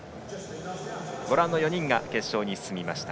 ご覧の４人が決勝に進みました。